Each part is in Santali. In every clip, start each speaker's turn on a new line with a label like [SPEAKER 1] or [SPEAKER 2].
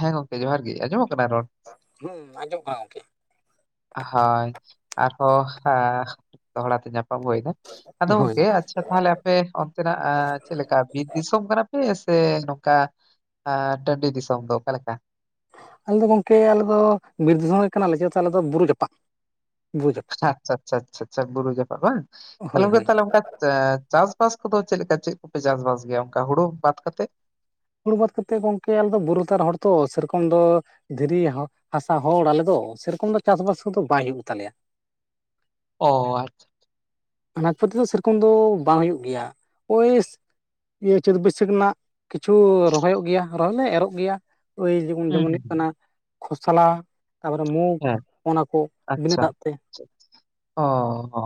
[SPEAKER 1] ᱦᱮᱸ ᱜᱚᱢᱠᱮ ᱡᱚᱦᱟᱨ ᱜᱮ ᱟᱸᱡᱚᱢᱼᱚᱜ ᱠᱟᱱᱟ ᱨᱚᱲ
[SPEAKER 2] ᱦᱩᱸ ᱟᱸᱡᱚᱢᱚᱜ ᱠᱟᱱᱟ ᱜᱚᱝᱠᱮ
[SPEAKER 1] ᱦᱳᱭ ᱟᱨᱦᱚᱸ ᱫᱚᱦᱲᱟ ᱛᱮ ᱧᱟᱯᱟᱢ ᱦᱩᱭ ᱮᱱᱟ ᱟᱫᱚ
[SPEAKER 2] ᱜᱚᱝᱠᱮ ᱦᱳᱭ
[SPEAKER 1] ᱜᱚᱢᱠᱮ ᱟᱪᱪᱷᱟ ᱛᱟᱦᱚᱞᱮ ᱟᱯᱮ ᱚᱱᱛᱮᱱᱼᱟᱜ ᱪᱮᱫ ᱞᱮᱠᱟ ᱵᱤᱨ ᱫᱤᱥᱚᱢ ᱠᱟᱱᱟ ᱯᱮ ᱥᱮ ᱱᱚᱝᱠᱟ ᱟᱨ ᱰᱟᱹᱰᱤ ᱫᱤᱥᱚᱢ ᱫᱚ ᱚᱠᱟ ᱞᱮᱠᱟ
[SPEAKER 2] ᱟᱞᱮ ᱫᱚ ᱜᱚᱝᱠᱮ ᱟᱞᱮ ᱫᱚ ᱵᱤᱨ ᱫᱤᱥᱚᱢ ᱨᱤᱱ ᱠᱟᱱᱟ ᱞᱮ ᱪᱮᱫᱟᱜ ᱥᱮ ᱟᱞᱮ ᱫᱚ ᱵᱩᱨᱩ ᱡᱟᱯᱟᱜ ᱵᱩᱨᱩ ᱡᱟᱯᱟᱜ
[SPEAKER 1] ᱟᱪᱪᱷᱟ ᱟᱪᱪᱷᱟ ᱟᱪᱪᱷᱟ ᱟᱪᱪᱷᱟ ᱵᱩᱨᱩ ᱡᱟᱯᱟᱜ ᱵᱟᱝ
[SPEAKER 2] ᱦᱳᱭ ᱦᱳᱭ
[SPEAKER 1] ᱛᱟᱦᱞᱮ ᱪᱟᱥ ᱵᱟᱥ ᱠᱚᱫᱚ ᱪᱮᱫ ᱞᱮᱠᱟ ᱪᱮᱫ ᱠᱚᱯᱮ ᱪᱟᱥ ᱵᱟᱥ ᱜᱮᱭᱟ ᱚᱱᱠᱟ ᱦᱳᱲᱳ ᱵᱟᱫᱽ ᱠᱟᱛᱮᱫ
[SPEAKER 2] ᱦᱳᱲᱳ ᱵᱟᱫᱽ ᱠᱟᱛᱮ ᱜᱚᱝᱠᱮ ᱟᱞᱮ ᱫᱚ ᱵᱩᱨᱩ ᱫᱷᱟᱨᱮ ᱦᱚᱲ ᱛᱚ ᱥᱮ ᱨᱚᱠᱚᱢ ᱫᱚ ᱫᱷᱤᱨᱤ [unintelligible] ᱦᱟᱥᱟ ᱦᱚᱲ ᱟᱞᱮ ᱫᱚ ᱥᱮᱨᱚᱠᱚᱢ ᱫᱚ ᱪᱟᱥ ᱵᱟᱥ ᱠᱚᱫᱚ ᱵᱟᱭ ᱦᱩᱭᱩᱜ ᱛᱟᱞᱮᱭᱟ
[SPEAKER 1] ᱚ ᱟᱪᱪᱷᱟ
[SPEAKER 2] ᱟᱱᱟᱡᱽ ᱯᱟᱹᱛᱤ ᱦᱚᱸ ᱥᱮᱨᱚᱠᱚᱢ ᱫᱚ ᱵᱟᱝ ᱦᱩᱭᱩᱜ ᱜᱮᱭᱟ ᱳᱭ ᱤᱭᱟᱹ ᱪᱟᱹᱛ ᱵᱟᱹᱭᱥᱟᱹᱠᱷ ᱨᱮᱱᱟᱜ ᱠᱤᱪᱷᱩ ᱨᱚᱦᱚᱭᱚᱜ ᱜᱮᱭᱟ ᱨᱚᱦᱚᱭ ᱞᱮ ᱮᱨᱚᱜ ᱜᱮᱭᱟ ᱳᱭ ᱡᱮᱢᱚᱱ
[SPEAKER 1] ᱦᱩᱸ
[SPEAKER 2] ᱡᱮᱢᱚᱱ
[SPEAKER 1] ᱦᱩᱸ
[SPEAKER 2] ᱦᱩᱭᱩᱜ
[SPEAKER 1] ᱦᱩᱸ,
[SPEAKER 2] ᱠᱟᱱᱟ ᱠᱷᱚᱥᱞᱟ ᱛᱟᱯᱚᱨᱮ ᱢᱩᱜᱷ
[SPEAKER 1] ᱦᱮᱸ
[SPEAKER 2] ᱚᱱᱟ ᱠᱚ ᱵᱤᱱᱟᱹ
[SPEAKER 1] ᱟᱪᱪᱷᱟ
[SPEAKER 2] ᱫᱟᱜ ᱛᱮ
[SPEAKER 1] ᱚ ᱦᱚᱻ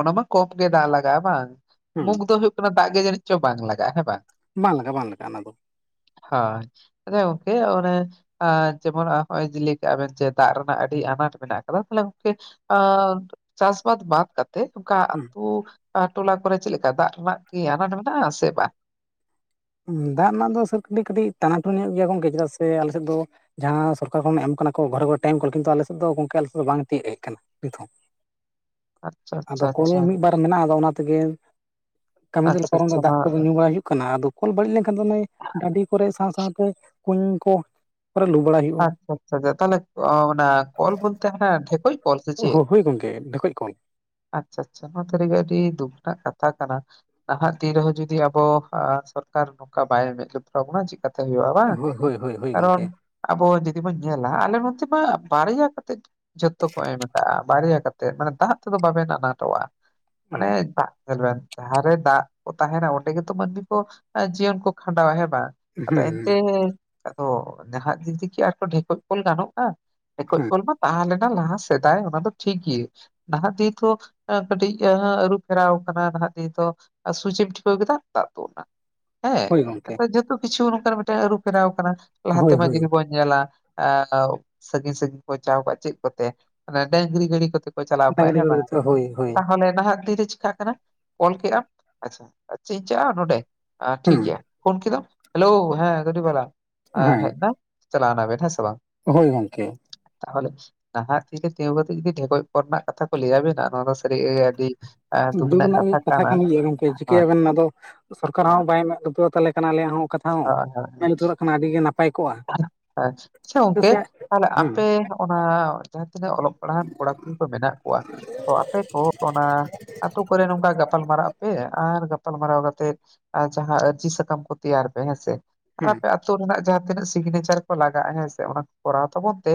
[SPEAKER 1] ᱚᱱᱟ ᱫᱚ ᱠᱚᱢ ᱜᱮ ᱫᱟᱜ ᱞᱟᱜᱟᱜᱼᱟ ᱵᱟᱝ
[SPEAKER 2] ᱦᱮᱸ
[SPEAKER 1] ᱢᱩᱜᱽ ᱫᱚ ᱦᱩᱭᱩᱜ ᱠᱟᱱᱟ ᱫᱟᱜ ᱜᱮ ᱡᱟᱹᱱᱤᱡ ᱪᱚᱝ ᱵᱟᱝ ᱞᱟᱜᱟᱜᱼᱟ ᱦᱮᱸ ᱵᱟᱝ
[SPEAKER 2] ᱵᱟᱝ ᱞᱟᱜᱟᱜᱼᱟ ᱵᱟᱝ ᱞᱟᱜᱟᱜᱼᱟ ᱚᱱᱟ ᱫᱚ᱾
[SPEAKER 1] ᱦᱳᱭ ᱟᱫᱚ ᱜᱚᱢᱠᱮ ᱚᱱᱮ ᱡᱮᱢᱚᱱ ᱞᱟᱹᱭ ᱠᱮᱜᱼᱟ ᱵᱮᱱ ᱫᱟᱜ ᱨᱮᱱᱟᱜ ᱟᱹᱰᱤ ᱟᱱᱟᱴ ᱢᱮᱱᱟᱜ ᱟᱠᱟᱫᱟ ᱛᱟᱦᱞᱮ ᱜᱚᱢᱠᱮ ᱪᱟᱥ ᱵᱟᱫ ᱵᱟᱫ ᱠᱟᱛᱮ ᱚᱱᱠᱟ
[SPEAKER 2] ᱦᱮᱸ
[SPEAKER 1] ᱟᱹᱛᱩ ᱴᱚᱞᱟ ᱠᱚᱨᱮ ᱪᱮᱫ ᱞᱮᱠᱟ ᱫᱟᱜ ᱨᱮᱱᱟᱜ ᱠᱤ ᱟᱱᱟᱴ ᱢᱮᱱᱟᱜᱼᱟ ᱥᱮ ᱵᱟᱝ
[SPEAKER 2] ᱫᱟᱜ ᱨᱮᱱᱟᱜ ᱫᱚ ᱥᱚᱴ ᱠᱟᱹᱴᱤᱡ ᱠᱟᱹᱴᱤᱡ ᱴᱟᱱᱟᱴᱩᱱᱤ ᱧᱚᱜ ᱜᱮᱭᱟ ᱜᱚᱝᱠᱮ ᱪᱮᱫᱟᱜ ᱥᱮ ᱟᱞᱮ ᱥᱮᱫ ᱫᱚ ᱡᱟᱦᱟᱸ ᱥᱚᱨᱠᱟᱨ ᱠᱷᱚᱱ ᱮᱢ ᱠᱟᱱᱟ ᱠᱚ ᱜᱷᱚᱨ ᱜᱚᱴᱟᱝ ᱠᱚᱞ ᱠᱤᱱᱛᱩ ᱟᱞᱮᱥᱮᱫ ᱫᱚ ᱜᱚᱢᱠᱮ ᱟᱞᱮ ᱥᱮᱫ ᱫᱚ ᱵᱟᱝ ᱛᱤᱭᱳᱜ ᱦᱮᱡ ᱟᱠᱟᱱᱟ᱾ ᱱᱤᱛᱦᱚᱸ
[SPEAKER 1] ᱟᱪᱪᱷᱟ
[SPEAKER 2] ᱟᱫᱚ
[SPEAKER 1] ᱟᱪᱪᱷᱟ
[SPEAKER 2] ᱠᱚᱞ ᱜᱮ
[SPEAKER 1] ᱟᱪᱪᱷᱟ
[SPEAKER 2] ᱢᱤᱫ ᱵᱟᱨ ᱢᱮᱱᱟᱜᱼᱟ ᱟᱫᱚ ᱚᱱᱟ ᱛᱮᱜᱮ ᱠᱟᱹᱢᱤ ᱫᱚᱞᱮ
[SPEAKER 1] ᱟᱪᱪᱷᱟ
[SPEAKER 2] ᱯᱟᱨᱚᱢ ᱫᱟ
[SPEAKER 1] ᱟᱪᱪᱷᱟ
[SPEAKER 2] ᱫᱟᱜ
[SPEAKER 1] ᱱᱚᱣᱟ
[SPEAKER 2] ᱠᱚᱫᱚ ᱧᱩ ᱵᱟᱲᱟᱭ ᱦᱩᱭᱩᱜ ᱠᱟᱱᱟ ᱟᱫᱚ ᱠᱚᱞ ᱵᱟᱹᱲᱤᱡ ᱞᱮᱱᱠᱷᱟᱱ ᱫᱚ ᱰᱟᱹᱰᱤ ᱠᱚᱨᱮ ᱥᱟᱶ ᱥᱟᱶᱛᱮ ᱠᱩᱧ ᱠᱚ ᱠᱚᱨᱮ ᱞᱩ ᱵᱟᱲᱟᱭ ᱦᱩᱭᱩᱜᱼᱟ
[SPEAKER 1] ᱟᱪᱪᱷᱟ ᱟᱪᱪᱷᱟ ᱛᱟᱞᱦᱮ ᱚᱱᱟ ᱠᱚᱞ ᱵᱚᱞᱛᱮ ᱦᱟᱱᱟ ᱰᱷᱮᱠᱚᱡ ᱠᱚᱞ ᱥᱮ ᱪᱮᱫ?
[SPEAKER 2] ᱦᱳᱭ ᱜᱚᱝᱠᱮ ᱰᱷᱚᱠᱚᱡ ᱠᱚᱞ
[SPEAKER 1] ᱟᱪᱪᱷᱟ ᱟᱪᱪᱷᱟ ᱱᱚᱣᱟ ᱥᱟᱹᱨᱤ ᱜᱮ ᱟᱹᱰᱤ ᱫᱩᱠ ᱨᱮᱱᱟᱜ ᱠᱟᱛᱷᱟ ᱠᱟᱱᱟ᱾ ᱱᱟᱦᱟᱜ ᱫᱤᱱ ᱨᱮᱦᱚᱸ ᱡᱩᱚᱫᱤ ᱟᱵᱚ ᱥᱚᱨᱠᱟᱨ ᱱᱚᱝᱠᱟ ᱵᱟᱭ ᱢᱮᱸᱫ ᱞᱩᱛᱚᱨ ᱟᱵᱚᱱᱟ ᱪᱮᱠᱟᱛᱮ ᱦᱳᱭᱳᱜ ᱟ ᱵᱟᱝ
[SPEAKER 2] ᱦᱳᱭ ᱦᱳᱭ ᱦᱳᱭ ᱦᱳᱭ
[SPEAKER 1] ᱠᱟᱨᱚᱱ
[SPEAKER 2] ᱜᱚᱝᱠᱮ
[SPEAKER 1] ᱟᱵᱚ ᱡᱩᱫᱤ ᱵᱚᱱ ᱧᱮᱞᱟ ᱟᱞᱮ ᱱᱚᱛᱮ ᱢᱟ ᱵᱟᱨᱭᱟ ᱠᱟᱛᱮᱫ ᱡᱷᱚᱛᱚ ᱠᱚ ᱮᱢ ᱠᱟᱜᱼᱟ ᱵᱟᱨᱭᱟ ᱠᱟᱛᱮᱫ ᱛᱮ ᱢᱟᱱᱮ ᱫᱟᱜ ᱛᱮᱫᱚ ᱵᱟᱵᱮᱱ ᱟᱱᱟᱴᱚᱜᱼᱟ
[SPEAKER 2] ᱚ
[SPEAKER 1] ᱢᱟᱱᱮ ᱫᱟᱜ ᱧᱮᱞ ᱵᱮᱱ ᱡᱟᱦᱟᱸ ᱨᱮ ᱫᱟᱜ ᱠᱚ ᱛᱟᱦᱮᱱᱟ ᱚᱸᱰᱮ ᱜᱮᱛᱚ ᱢᱟᱹᱱᱢᱤ ᱠᱚ ᱡᱤᱭᱚᱱ ᱠᱚ ᱠᱷᱟᱸᱰᱟᱣᱟ ᱦᱮᱸ ᱵᱟᱝ?
[SPEAKER 2] ᱦᱩᱸ
[SPEAKER 1] ᱟᱫᱚ ᱮᱱᱛᱮ
[SPEAKER 2] ᱦᱩᱸ
[SPEAKER 1] ᱟᱫᱚ ᱱᱟᱦᱟᱜ ᱫᱤᱱ ᱛᱮᱜᱮ ᱟᱨᱠᱚ ᱰᱷᱮᱠᱚᱡ ᱠᱚᱞ ᱜᱟᱱᱚᱜᱼᱟ? ᱰᱷᱮᱠᱚᱡ ᱠᱚᱞ ᱢᱟ ᱛᱟᱦᱮᱸ ᱞᱮᱱᱟ ᱞᱟᱦᱟ ᱥᱮᱫᱟᱭ ᱚᱱᱟ ᱫᱚ ᱴᱷᱤᱠ ᱜᱮᱭᱟᱹ ᱱᱟᱦᱟᱜ ᱫᱤᱱ ᱫᱚ ᱮᱸ ᱠᱟᱹᱴᱤᱡ ᱮᱸ ᱟᱹᱨᱩᱯᱷᱮᱨᱟᱣ ᱠᱟᱱᱟ ᱱᱟᱦᱟᱜ ᱫᱤᱱ ᱫᱚ᱾ ᱟᱨ ᱥᱩᱡᱮᱢ ᱴᱷᱤᱯᱟᱹᱣ ᱠᱮᱫᱟ ᱫᱟᱜ ᱛᱩᱜ ᱱᱟ ᱦᱮᱸ
[SPEAKER 2] ᱦᱳᱭ ᱜᱚᱝᱠᱮ
[SPEAKER 1] ᱱᱮᱛᱟᱨ ᱡᱚᱛᱚ ᱠᱤᱪᱷᱩ ᱱᱚᱝᱠᱟᱱ ᱢᱤᱫᱴᱟᱝ ᱟᱹᱨᱩᱯᱷᱮᱨᱟᱣ ᱠᱟᱱᱟ
[SPEAKER 2] ᱦᱳᱭ
[SPEAKER 1] ᱞᱟᱦᱟᱛᱮᱢᱟ
[SPEAKER 2] ᱦᱳᱭ
[SPEAKER 1] ᱡᱚ ᱵᱚᱱ ᱧᱮᱞᱟ ᱥᱟᱺᱜᱤᱧ ᱥᱟᱺᱜᱤᱧ ᱠᱚ ᱪᱟᱣ ᱠᱟᱜᱼᱟ ᱪᱮᱜ ᱠᱚᱛᱮ ᱚᱱᱟ ᱰᱟᱹᱝᱨᱤ ᱜᱟᱹᱲᱤ ᱠᱚᱛᱮ ᱠᱚ ᱪᱟᱞᱟᱣ ᱠᱚᱜᱼᱟ
[SPEAKER 2] ᱰᱟᱝᱨᱤ
[SPEAKER 1] ᱦᱮᱸ
[SPEAKER 2] ᱜᱟᱹᱰᱤ
[SPEAKER 1] ᱵᱟᱝ
[SPEAKER 2] ᱛᱮ ᱦᱳᱭ ᱦᱳᱭ
[SPEAKER 1] ᱛᱟᱦᱚᱞᱮ ᱱᱟᱦᱟᱜ ᱫᱤᱱ ᱨᱮ ᱪᱤᱠᱟᱜ ᱠᱟᱱᱟ? ᱚᱞ ᱠᱮᱜᱼᱟ ᱟᱪᱪᱷᱟ ᱟᱮᱜ ᱤᱧ ᱪᱟᱜᱼᱟ ᱱᱚᱸᱰᱮ ᱟᱸ
[SPEAKER 2] ᱦᱩᱸ
[SPEAKER 1] ᱴᱷᱤᱠᱜᱮᱭᱟ ᱯᱷᱳᱱ ᱠᱮᱫᱟᱢ ᱦᱮᱞᱳ ᱦᱮᱸ ᱜᱟᱹᱰᱤ ᱵᱟᱞᱟ ᱮᱸ
[SPEAKER 2] ᱦᱮᱸ
[SPEAKER 1] ᱦᱮᱡ ᱱᱟᱭ ᱪᱟᱞᱟᱣᱱᱟᱵᱮᱱ ᱦᱮᱸ ᱥᱮ ᱵᱟᱝ?
[SPEAKER 2] ᱦᱳᱭ ᱜᱚᱝᱠᱮ
[SPEAKER 1] ᱛᱟᱦᱚᱞᱮ ᱱᱟᱦᱟᱜ ᱫᱤᱱ ᱨᱮ ᱛᱤᱸᱜᱩ ᱠᱟᱛᱮᱜ ᱡᱩᱫᱤ ᱰᱷᱮᱠᱚᱡ ᱠᱚᱞ ᱨᱮᱱᱟᱜ ᱠᱟᱛᱷᱟ ᱠᱚ ᱞᱟᱹᱭ ᱟᱵᱤᱱᱟ ᱱᱚᱣᱟ ᱫᱚ ᱥᱟᱹᱨᱤ ᱟᱹᱰᱤ
[SPEAKER 2] ᱫᱩᱠ ᱨᱮᱱᱟᱜ ᱜᱮ ᱠᱟᱛᱷᱟ ᱠᱟᱱ ᱜᱮᱭᱟ ᱜᱚᱝᱠᱮ
[SPEAKER 1] ᱦᱳᱭ
[SPEAKER 2] ᱪᱤᱠᱟᱹᱭᱟᱵᱮᱱ ᱟᱫᱚ ᱥᱚᱨᱠᱟᱨ
[SPEAKER 1] ᱦᱳᱭ
[SPEAKER 2] ᱦᱚᱸ ᱵᱟᱭ ᱢᱮᱫ ᱞᱩᱛᱩᱨᱟ ᱛᱟᱞᱮ ᱠᱟᱱᱟ ᱟᱞᱮᱭᱟᱜ ᱦᱚᱸ ᱠᱟᱛᱷᱟ ᱦᱚᱸ ᱢᱮᱜ ᱞᱩᱛᱩᱨᱟᱜ ᱠᱷᱟᱱ ᱟᱹᱰᱤ ᱜᱤ ᱱᱟᱯ
[SPEAKER 1] ᱛᱟᱦᱞᱮ ᱟᱸ ᱟᱪᱪᱷᱟ ᱜᱚᱝᱠᱮ ᱛᱟᱦᱞᱮ
[SPEAKER 2] ᱦᱮᱸ
[SPEAKER 1] ᱟᱯᱮ ᱱᱚᱜᱼᱚᱱᱟ ᱡᱟᱦᱟᱸ ᱛᱤᱱᱟᱹᱜ ᱚᱞᱚᱜ ᱯᱟᱲᱦᱟᱣᱟᱱ ᱠᱚᱲᱟ ᱠᱩᱲᱤ ᱠᱚ ᱢᱮᱱᱟᱜ ᱠᱚᱣᱟ ᱛᱚ ᱟᱯᱮ ᱠᱚ ᱚᱱᱟ ᱟᱛᱳ ᱠᱚᱨᱮ ᱱᱚᱝᱠᱟ ᱜᱟᱯᱟᱞ ᱢᱟᱨᱟᱜ ᱟᱯᱮ ᱟᱨ ᱜᱟᱯᱟᱞ ᱢᱟᱨᱟᱣ ᱠᱟᱛᱮᱫ ᱮᱸ ᱡᱟᱦᱟᱸ ᱟᱹᱨᱡᱤ ᱥᱟᱠᱟᱢ ᱠᱚ ᱛᱮᱭᱟᱨ ᱯᱮ ᱦᱮᱸᱥᱮ ᱟᱨ
[SPEAKER 2] ᱦᱮᱸ
[SPEAKER 1] ᱟᱯᱮ ᱟᱹᱛᱩᱳ ᱨᱮᱱᱟᱜ ᱡᱟᱦᱟᱸ ᱛᱤᱱᱟᱹᱜ ᱥᱤᱜᱽᱱᱮᱪᱟᱨ ᱠᱚ ᱞᱟᱜᱟᱜᱼᱟ ᱦᱮᱸ ᱥᱮ ᱚᱱᱟ ᱠᱚ ᱠᱚᱨᱟᱣ ᱛᱟᱵᱚᱱ ᱯᱮ᱾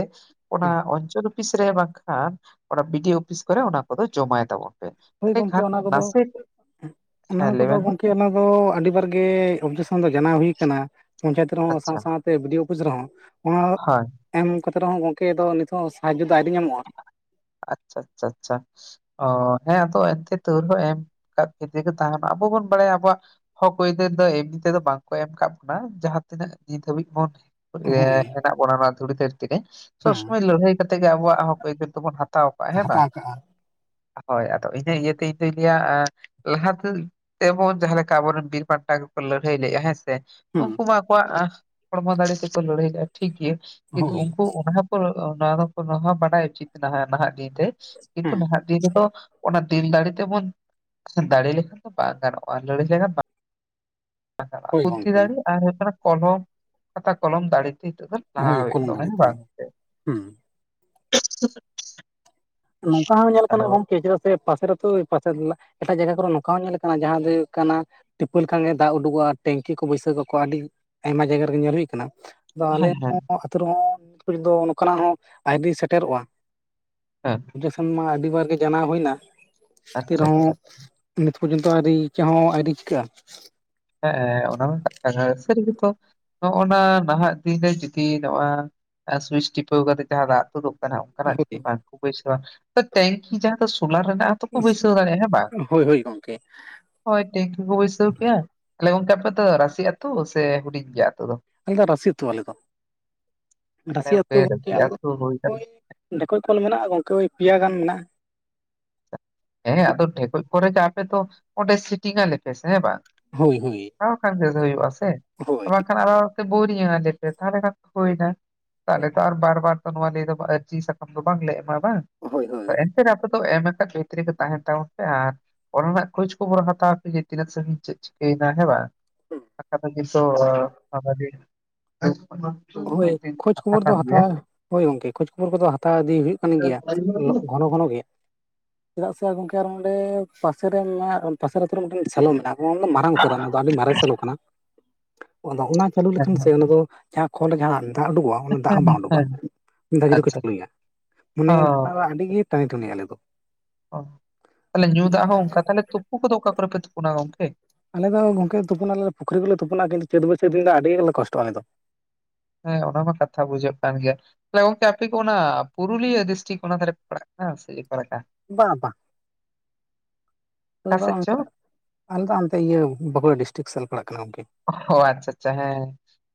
[SPEAKER 1] ᱚᱱᱟ
[SPEAKER 2] ᱦᱮᱸ
[SPEAKER 1] ᱚᱧᱪᱚᱞ ᱚᱯᱷᱤᱥ ᱨᱮ ᱵᱟᱝᱠᱷᱟᱱ ᱚᱱᱟ ᱵᱤᱰᱤᱭᱚ ᱚᱯᱷᱤᱥ ᱠᱚᱨᱮ ᱚᱱᱟ ᱠᱚᱫᱚ ᱡᱚᱢᱟᱭ ᱛᱟᱵᱚᱱ ᱯᱮ
[SPEAKER 2] ᱦᱳᱭ ᱜᱚᱝᱠᱮ
[SPEAKER 1] ᱮᱸᱰᱮᱠᱷᱟᱱ
[SPEAKER 2] ᱚᱱᱟ ᱠᱚᱫᱚ
[SPEAKER 1] ᱱᱟᱥᱮ
[SPEAKER 2] ᱚᱱᱟ
[SPEAKER 1] ᱦᱮᱸ ᱞᱟᱹᱭ
[SPEAKER 2] ᱠᱚᱫᱚ
[SPEAKER 1] ᱵᱮᱱ ᱢᱟ
[SPEAKER 2] ᱜᱚᱝᱠᱮ ᱚᱱᱟ ᱫᱚ ᱟᱹᱰᱤ ᱵᱟᱨ ᱠᱮ ᱚᱵᱡᱮᱠᱥᱚᱱ ᱫᱚ ᱡᱟᱱᱟᱣ ᱦᱩᱭ ᱠᱟᱱᱟ ᱯᱚᱧᱪᱟᱭᱮᱛ ᱨᱮᱦᱚᱸ ᱥᱟᱶ
[SPEAKER 1] ᱟᱪᱪᱷᱟ
[SPEAKER 2] ᱥᱟᱶᱛᱮ ᱵᱤᱰᱤᱭᱚ ᱚᱯᱷᱤᱥ ᱨᱮᱦᱚᱸ ᱚᱱᱟ
[SPEAKER 1] ᱦᱳᱭ
[SPEAKER 2] ᱮᱢ ᱠᱟᱛᱮ ᱨᱮᱦᱚᱸ ᱜᱚᱝᱠᱮ ᱟᱯᱫᱚ ᱱᱤᱛᱚᱜ ᱦᱚᱸ ᱥᱟᱦᱟᱡᱽᱡᱚ ᱫᱚ ᱟᱹᱣᱨᱤ ᱧᱟᱢᱚᱜᱼᱟ᱾
[SPEAKER 1] ᱟᱪᱪᱷᱟ ᱟᱪᱪᱷᱟ ᱟᱪᱪᱷᱟ ᱚ ᱦᱮᱸ ᱟᱫᱚ ᱮᱱᱛᱮ ᱛᱟᱹᱣ ᱨᱮᱦᱚᱸ ᱮᱢ ᱠᱟᱜ ᱤᱫᱤ ᱜᱮ ᱛᱟᱦᱮᱱᱟ ᱟᱵᱚ ᱵᱚᱱ ᱵᱟᱲᱟᱭᱟ ᱟᱵᱚᱣᱟᱜ ᱦᱚᱠ ᱟᱹᱭᱫᱟᱹᱨ ᱫᱚ ᱮᱢᱱᱤ ᱛᱮᱫᱚ ᱵᱟᱝᱠᱚ ᱮᱢ ᱠᱟᱜ ᱵᱚᱱᱟ ᱡᱟᱦᱟᱸ ᱛᱤᱱᱟᱹᱜ ᱱᱤᱛ ᱦᱟᱹᱵᱤᱡ ᱵᱚᱱ ᱮᱸ
[SPEAKER 2] ᱦᱳᱭ
[SPEAKER 1] ᱦᱮᱱᱟᱜ ᱵᱚᱱᱟ ᱱᱚᱣᱟ ᱫᱷᱩᱲᱤ ᱫᱷᱟᱹᱨᱛᱤ ᱨᱮ
[SPEAKER 2] ᱦᱮᱸ
[SPEAKER 1] ᱥᱚᱵᱥᱚᱢᱚᱭ ᱞᱟᱹᱲᱦᱟᱹᱭ ᱠᱟᱛᱮ ᱜᱮ ᱟᱵᱚᱣᱟᱜ ᱦᱚᱠ ᱟᱹᱭᱫᱟᱹᱨ ᱫᱚᱵᱚᱱ ᱦᱟᱛᱟᱣ ᱠᱟᱜᱼᱟ ᱦᱮᱸ ᱵᱟᱝ
[SPEAKER 2] ᱦᱟᱛᱟᱣ ᱠᱟᱜᱼᱟ
[SPEAKER 1] ᱦᱳᱭ ᱟᱫᱚ ᱤᱱᱟᱹ ᱤᱭᱟᱹᱛᱮ ᱤᱧᱫᱚᱧ ᱞᱟᱹᱭᱟ ᱮᱸ ᱞᱟᱦᱟᱛᱮ ᱛᱮᱢᱚᱱ ᱡᱟᱦᱟᱸ ᱞᱮᱠᱟ ᱟᱵᱚᱨᱮᱱ ᱵᱤᱨ ᱵᱷᱟᱱᱴᱟ ᱠᱚᱠᱚ ᱞᱟᱹᱲᱦᱟᱹᱭ ᱞᱮᱜᱼᱟ ᱦᱮᱸ ᱥᱮ
[SPEAKER 2] ᱦᱮᱸ
[SPEAKER 1] ᱩᱝᱠᱩ ᱢᱟ ᱟᱠᱚᱣᱟᱜ ᱟᱸ ᱦᱚᱲᱢᱚ ᱫᱟᱲᱮ ᱛᱮᱠᱚ ᱞᱟᱹᱲᱦᱟᱹᱭ ᱞᱮᱜᱼᱟ ᱴᱷᱤᱠᱜᱮᱭᱟ, ᱠᱤᱱᱛᱩ
[SPEAKER 2] ᱦᱳᱭ
[SPEAKER 1] ᱩᱝᱠᱩ ᱚᱱᱟ [unintelligible] ᱱᱚᱣᱟ ᱦᱚᱸ ᱵᱟᱰᱟᱭ ᱩᱪᱤᱛᱫ ᱱᱟᱦᱟ ᱱᱟᱦᱟᱜ ᱫᱤᱱ ᱨᱮ ᱠᱤᱱᱛᱩ
[SPEAKER 2] ᱦᱮᱸ
[SPEAKER 1] ᱱᱟᱦᱟᱜ ᱫᱤᱱ ᱨᱮᱫᱚ ᱚᱱᱟ ᱫᱤᱞ ᱫᱟᱲᱮ ᱛᱮᱵᱚᱱ ᱫᱟᱲᱮ ᱞᱮᱠᱷᱟᱱ ᱫᱚ ᱵᱟᱝ ᱜᱟᱱᱚᱜᱼᱟ᱾ ᱞᱟᱹᱲᱦᱟᱹᱭ ᱞᱮᱠᱷᱟᱱ ᱵᱩᱫᱷᱤ ᱫᱟᱲᱮ
[SPEAKER 2] ᱦᱳᱭ
[SPEAKER 1] ᱟᱨ ᱦᱩᱭᱩᱜ ᱠᱟᱱᱟ ᱠᱚᱞᱚᱢ ᱠᱷᱟᱛᱟ ᱠᱚᱞᱚᱢ ᱫᱟᱲᱮ ᱛᱮ ᱱᱤᱛᱚᱜ ᱫᱚ ᱞᱟᱦᱟ ᱦᱩᱭᱩᱜ
[SPEAKER 2] ᱠᱚᱞᱚᱢ
[SPEAKER 1] ᱛᱟᱵᱚᱱᱟ ᱦᱮᱸ
[SPEAKER 2] ᱫᱟᱲᱮᱛᱮ
[SPEAKER 1] ᱵᱟᱝ?
[SPEAKER 2] ᱦᱮᱸ ᱱᱚᱝᱠᱟ ᱦᱚᱸ ᱧᱮᱞ
[SPEAKER 1] ᱟᱫᱚ
[SPEAKER 2] ᱟᱠᱟᱱᱟ ᱜᱚᱝᱠᱮ ᱪᱮᱫᱟᱜ ᱥᱮ ᱯᱟᱥᱮᱨ ᱟᱛᱩ ᱯᱟᱪᱷᱟ ᱫᱩᱞᱟ ᱮᱴᱟᱜ ᱡᱟᱭᱜᱟ ᱠᱚᱨᱮ ᱱᱚᱝᱠᱟ ᱦᱚᱸ ᱧᱮᱞ ᱠᱟᱱᱟ ᱡᱟᱦᱟᱸ ᱫᱚ ᱦᱩᱭᱩᱜ ᱠᱟᱱᱟ ᱴᱤᱯᱟᱹᱣ ᱞᱮᱠᱷᱟᱱ ᱜᱮ ᱫᱟᱜ ᱩᱰᱩᱠᱚᱜᱼᱟ ᱴᱮᱝᱠᱤ ᱠᱚ ᱵᱟᱹᱭᱥᱟᱹ ᱠᱟᱜ ᱠᱚᱣᱟ ᱟᱹᱰᱤ ᱟᱭᱢᱟ ᱡᱟᱭᱜᱟ ᱨᱮᱜᱮ ᱧᱮᱞ ᱦᱩᱭ ᱠᱟᱱᱟ᱾ ᱟᱫᱚ ᱟᱞᱮ
[SPEAKER 1] ᱦᱮᱸ ᱦᱮᱸ
[SPEAKER 2] ᱦᱚᱸ ᱟᱛᱩ ᱨᱮᱦᱚᱸ ᱱᱤᱛ ᱯᱚᱡᱚᱱᱛᱚ ᱱᱚᱠᱟᱱᱟᱜ ᱦᱚᱸ ᱟᱹᱣᱨᱤ ᱥᱮᱴᱮᱨᱚᱜᱼᱟ᱾
[SPEAKER 1] ᱦᱮᱸ
[SPEAKER 2] ᱚᱵᱡᱮᱥᱚᱱ ᱢᱟ ᱟᱹᱰᱤ ᱵᱟᱨ ᱜᱮ ᱡᱟᱱᱟᱣ ᱦᱩᱭ ᱮᱱᱟ ᱮᱱᱛᱮ
[SPEAKER 1] ᱟᱪᱪᱷᱟ ᱟᱪᱪᱷᱟ
[SPEAKER 2] ᱨᱮᱦᱚᱸ ᱱᱤᱛ ᱯᱚᱨᱡᱚᱱᱛᱚ ᱟᱹᱣᱨᱤ ᱪᱮᱫ ᱦᱚᱸ ᱟᱹᱣᱨᱤ ᱪᱤᱠᱟᱹᱜᱼᱟ᱾
[SPEAKER 1] ᱦᱮᱸ ᱚᱱᱟ ᱢᱟ ᱠᱟᱛᱷᱟ ᱜᱮ ᱥᱟᱹᱨᱤ ᱜᱮᱛᱚ ᱱᱚᱜᱼᱚ ᱱᱚᱣᱟ ᱱᱟᱦᱟᱜ ᱫᱤᱱ ᱨᱮ ᱡᱩᱫᱤ ᱱᱚᱣᱟ ᱥᱩᱭᱤᱪ ᱴᱤᱯᱟᱹᱣ ᱠᱟᱛᱮᱜ ᱡᱟᱦᱟᱸ ᱫᱟᱜ ᱛᱩᱫᱩᱜ ᱠᱟᱱᱟ ᱚᱝᱠᱟᱱᱟᱜ
[SPEAKER 2] ᱦᱳᱭ
[SPEAKER 1] ᱡᱩᱫᱤ ᱵᱟᱝᱠᱚ ᱵᱟᱹᱭᱥᱟᱹᱣᱟ ᱛᱮ ᱛᱮᱦᱮᱧᱱᱠᱤ ᱡᱟᱦᱟᱸ ᱫᱚ ᱥᱳᱞᱟᱨ ᱨᱮᱱᱟᱜ ᱛᱚᱠᱚ ᱵᱟᱹᱭᱥᱟᱹᱣ ᱫᱟᱲᱮᱜᱼᱟ ᱦᱮᱸ ᱵᱟᱝ?
[SPEAKER 2] ᱦᱳᱭ ᱦᱳᱭ ᱜᱚᱝᱠᱮ
[SPEAKER 1] ᱦᱳᱭ ᱴᱷᱝᱠᱤ ᱠᱚ ᱵᱟᱹᱭᱥᱟᱹᱣ ᱠᱮᱭᱟ ᱛᱟᱦᱞᱮ ᱜᱚᱝᱠᱮ ᱟᱯᱮ ᱫᱚ ᱨᱟᱥᱤ ᱟᱹᱛᱩ ᱥᱮ ᱦᱩᱰᱤᱧ ᱜᱮᱭᱟ ᱟᱹᱛᱩ ᱫᱚ?
[SPEAKER 2] ᱟᱞᱮ ᱫᱚ ᱨᱟᱹᱥᱤ ᱟᱛᱩ ᱟᱞᱮ ᱫᱚ
[SPEAKER 1] ᱢᱟᱱᱮ
[SPEAKER 2] ᱨᱟᱹᱥᱤ ᱟᱹᱛᱩ ᱜᱚᱝᱠᱮ
[SPEAKER 1] ᱨᱟᱹᱥᱤ
[SPEAKER 2] ᱟᱞᱮ ᱫᱚ᱾
[SPEAKER 1] ᱟᱹᱛᱩ ᱦᱩᱭ ᱠᱟᱱᱟ
[SPEAKER 2] ᱦᱳᱭ ᱰᱷᱮᱠᱚᱡ ᱠᱚᱞ ᱢᱮᱱᱟᱜᱼᱟ ᱜᱚᱝᱠᱮ ᱳᱭ ᱯᱮᱭᱟ ᱜᱟᱱ ᱢᱮᱱᱟᱜᱼᱟ᱾
[SPEAKER 1] ᱦᱮᱸ ᱟᱫᱚ ᱰᱷᱮᱠᱚᱡ ᱠᱚᱞ ᱨᱮᱜᱮ ᱟᱯᱮ ᱫᱚ ᱚᱸᱰᱮ ᱥᱤᱴᱤᱝ ᱟᱞᱮᱯᱮ ᱥᱮ ᱦᱮᱸ ᱵᱟᱝ?
[SPEAKER 2] ᱦᱳᱭ ᱦᱳᱭ
[SPEAKER 1] ᱦᱮᱸ ᱵᱟᱠᱷᱟᱱ ᱵᱮᱥ ᱦᱩᱭᱩᱜ ᱟ ᱥᱮ
[SPEAKER 2] ᱦᱳᱭ
[SPEAKER 1] ᱵᱟᱝᱠᱷᱟᱱ ᱟᱞᱟᱫᱟ ᱛᱮ ᱵᱤᱨᱤᱫ ᱟᱞᱮ ᱯᱮ ᱛᱟᱦᱟᱞᱮ ᱠᱷᱟᱱ ᱜᱮ ᱦᱩᱭ ᱮᱱᱟ ᱛᱟᱦᱮᱞᱮ ᱛᱚ ᱟᱨ ᱵᱟᱨ ᱵᱟᱨ ᱛᱚ ᱱᱚᱣᱟ ᱞᱤᱭᱟᱹ ᱫᱚ ᱟᱨᱡᱤ ᱥᱟᱠᱟᱢ ᱫᱚ ᱵᱟᱝ ᱞᱮ ᱮᱢᱟ ᱵᱟᱝ
[SPEAKER 2] ᱦᱳᱭ ᱦᱳᱭ
[SPEAKER 1] ᱮᱱᱛᱮ ᱨᱮᱦᱚ ᱟᱯᱮ ᱫᱚ ᱮᱢ ᱟᱠᱟ ᱛᱟᱦᱮᱱ ᱯᱮ ᱚᱱᱛᱮ ᱨᱮᱜᱮ ᱛᱟᱦᱮᱱ ᱛᱟᱵᱚᱱ ᱯᱮ ᱟᱨ ᱚᱞ ᱨᱮᱱᱟᱜ ᱠᱷᱳᱸᱡ ᱠᱷᱚᱵᱚᱨ ᱦᱟᱛᱟᱣ ᱯᱮ ᱡᱮ ᱛᱤᱱᱟᱹᱜ ᱥᱟᱺᱜᱤᱧ ᱪᱮᱫ ᱪᱤᱠᱟᱹ ᱮᱱᱟ ᱦᱮ ᱵᱟᱝ ᱵᱟᱝᱠᱷᱟᱱ ᱫᱚ [unintelligible]
[SPEAKER 2] ᱦᱳᱭ ᱠᱷᱳᱡᱽ
[SPEAKER 1] ᱠᱟᱛᱷᱟ
[SPEAKER 2] ᱠᱷᱚᱵᱚᱨ ᱫᱚ
[SPEAKER 1] ᱠᱟᱱ ᱜᱮᱭᱟ
[SPEAKER 2] ᱦᱟᱛᱟᱣ ᱦᱳᱭ ᱜᱚᱝᱠᱮ ᱠᱷᱳᱡᱽ ᱠᱷᱚᱵᱚᱨ ᱠᱚᱫᱚ ᱦᱟᱛᱟᱣ ᱤᱫᱤ ᱦᱩᱭᱩᱜ ᱠᱟᱱ ᱜᱮᱭᱟ ᱜᱷᱚᱱᱚ ᱜᱷᱚᱱᱚ ᱜᱮ ᱪᱮᱫᱟᱜ ᱥᱮ ᱜᱚᱝᱠᱮ ᱟᱨ ᱚᱸᱰᱮ ᱯᱟᱥᱮ ᱨᱮᱱ [unintelligible] ᱯᱟᱥᱮᱨ ᱟᱛᱩ ᱨᱮ ᱢᱤᱫᱴᱟᱝ ᱥᱮᱞᱳ ᱢᱮᱱᱟᱜᱼᱟ ᱚᱱᱟ ᱫᱚ ᱢᱟᱨᱟᱝ ᱩᱛᱟᱹᱨᱟ ᱚᱱᱟ ᱫᱚ ᱟᱹᱰᱤ ᱢᱟᱨᱮ ᱥᱮᱞᱳ ᱠᱟᱱᱟ ᱟᱫᱚ ᱚᱱᱚᱱᱟ ᱪᱟᱹᱞᱩ
[SPEAKER 1] ᱦᱮᱸ
[SPEAKER 2] ᱞᱮᱠᱷᱟᱱ ᱥᱮ ᱚᱱᱟ ᱫᱚ ᱡᱟᱦᱟ ᱠᱚᱞ ᱨᱮ ᱡᱟᱦᱟᱸ ᱫᱟᱜ ᱩᱰᱩᱠᱚᱜᱼᱟ ᱫᱟᱜ ᱦᱚᱸ
[SPEAKER 1] ᱦᱮᱸ
[SPEAKER 2] ᱵᱟᱝ ᱩᱰᱩᱠᱚᱜᱼᱟ
[SPEAKER 1] ᱦᱮᱸ
[SPEAKER 2] ᱫᱟᱜ ᱡᱩᱫᱤ ᱠᱚ
[SPEAKER 1] ᱟᱪᱪᱷᱟ
[SPEAKER 2] ᱪᱟᱹᱞᱩᱭᱟ
[SPEAKER 1] ᱚ
[SPEAKER 2] ᱢᱟᱱᱮ ᱫᱟᱜ ᱫᱟ ᱟᱹᱰᱤ ᱜᱤ ᱴᱟᱸᱭ ᱴᱩᱱᱤᱭᱟ ᱟᱞᱮ ᱫᱚ᱾
[SPEAKER 1] ᱚ ᱛᱟᱦᱞᱮ ᱧᱩ ᱫᱟᱜ ᱦᱚᱸ ᱚᱝᱠᱟ ᱛᱟᱦᱞᱮ ᱛᱩᱯᱩ ᱠᱚᱫᱚ ᱚᱠᱟ ᱠᱚᱨᱮ ᱯᱮ ᱛᱩᱯᱩᱱᱟ ᱜᱚᱝᱠᱮ?
[SPEAKER 2] ᱟᱞᱮ ᱫᱚ ᱜᱚᱢᱠᱮ ᱛᱩᱯᱩ ᱱᱟᱞᱮ ᱯᱩᱠᱷᱨᱤ ᱜᱮᱞᱮ ᱛᱩᱯᱩᱱᱟ ᱠᱤᱱᱛᱩ ᱪᱟᱹᱛ ᱵᱟᱹᱭᱥᱟᱹᱠ ᱫᱤᱱ ᱫᱚ ᱟᱹᱰᱤ ᱜᱮᱞᱮ ᱠᱚᱥᱴᱚᱜᱼᱟ ᱟᱞᱮ ᱫᱚ
[SPEAKER 1] ᱦᱮᱸ ᱚᱱᱟᱢᱟ ᱠᱟᱛᱷᱟ ᱵᱩᱡᱷᱟᱹᱜ ᱠᱟᱱ ᱜᱮᱭᱟ ᱛᱟᱦᱞᱮ ᱜᱚᱝᱠᱮ ᱟᱯᱮ ᱫᱚ ᱚᱱᱟ ᱯᱩᱨᱩᱞᱤᱭᱟᱹ ᱰᱤᱥᱴᱤᱠ ᱚᱱᱟ ᱫᱷᱟᱨᱮ ᱯᱮ ᱯᱟᱲᱦᱟᱜ ᱠᱟᱱᱟ ᱥᱮ ᱚᱠᱟ ᱞᱮᱠᱟ
[SPEAKER 2] ᱵᱟᱝᱼᱟ
[SPEAKER 1] ᱚᱠᱟ
[SPEAKER 2] ᱵᱟᱝ ᱟᱞᱮ ᱫᱚ
[SPEAKER 1] ᱥᱮᱫ ᱪᱚ
[SPEAKER 2] ᱟᱞᱮ ᱫᱚ ᱚᱱᱛᱮ ᱤᱭᱟᱹ ᱵᱟᱸᱠᱩᱲᱟ ᱰᱤᱥᱴᱤᱠ ᱥᱮᱫ ᱞᱮ ᱯᱟᱲᱟᱜ ᱠᱟᱱᱟ ᱜᱚᱝᱠᱮ
[SPEAKER 1] ᱚᱜᱦᱚ ᱟᱪᱪᱷᱟ ᱟᱪᱪᱷᱟ ᱦᱮᱸ